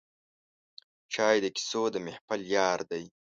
چای د کیسو د محفل یار دی